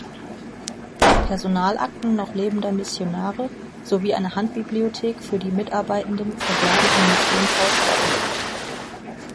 Personalakten noch lebender Missionare sowie eine Handbibliothek für die Mitarbeitenden verbleiben im Missionshaus Leipzig.